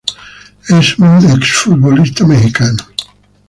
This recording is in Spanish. Es un ex-futbolista mexicano.